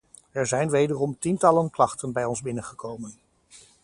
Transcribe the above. Er zijn wederom tientallen klachten bij ons binnengekomen.